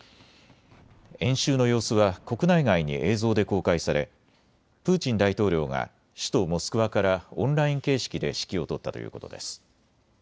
演習の様子は国内外に映像で公開されプーチン大統領が首都モスクワからオンライン形式で指揮を執ったということです。